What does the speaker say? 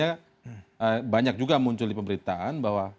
yang dipahami publik akhirnya banyak juga muncul di pemberitaan bahwa